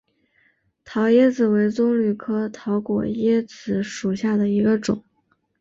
桃椰子为棕榈科桃果椰子属下的一个种。